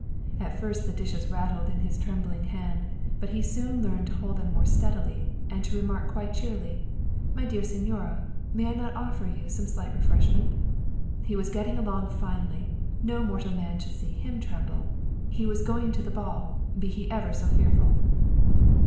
At first the dishes rattled in his trembling hand, but he soon learned to hold them more steadily, and to remark quite cheerily, " My dear signora, may I not offer you some slight refreshment ?" He was getting along finely. No mortal man should see him tremble ! He was going to the ball, be he ever so fearful